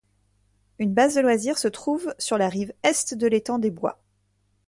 Une base de loisirs se trouve sur la rive Est de l'étang des Bois.